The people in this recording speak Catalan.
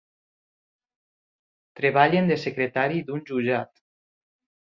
Treballen de secretari d'un jutjat.